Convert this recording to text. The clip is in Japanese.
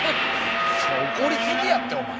怒りすぎやってお前。